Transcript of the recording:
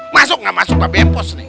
masuk gak masuk mbak bek empos nih